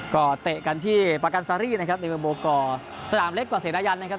ก็เตะกันที่ปากันซารีนะครับนี่เป็นโบกอร์สถามเล็กกว่าเศรษฐญญันนะครับ